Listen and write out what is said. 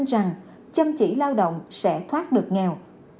rằng chăm chỉ lao động sẽ thoát được nghèo